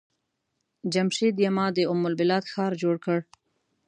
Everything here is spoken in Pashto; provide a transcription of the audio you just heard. جمشيد يما د ام البلاد ښار جوړ کړ.